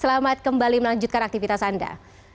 selamat kembali melanjutkan aktivitas anda